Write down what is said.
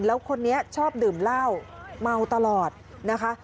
แล้วคนนี้ชอบดื่มเหล้าเมาตลอดนะคะ